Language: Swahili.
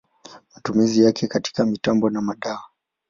Matumizi yake ni katika mitambo na madawa.